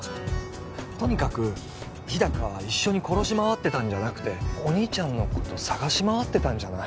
とにかく日高は一緒に殺し回ってたんじゃなくてお兄ちゃんのこと捜し回ってたんじゃない？